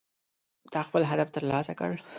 تا خپل هدف ترلاسه کړ